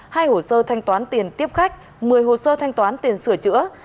hai hồ sơ thanh toán tiền tiếp khách một mươi hồ sơ thanh toán tiền sửa chữa